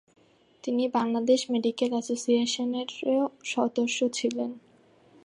তিনি বাংলাদেশ মেডিকেল অ্যাসোসিয়েশনের সদস্যও ছিলেন।